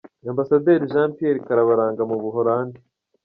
Ambasaderi Jean Pierre Karabaranga mu Buholandi.